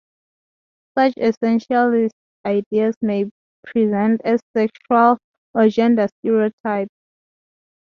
Such essentialist ideas may present as sexual or gender stereotypes.